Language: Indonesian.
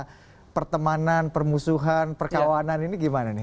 ini bagaimana mengelola pertemanan permusuhan perkawinan dan perkembangan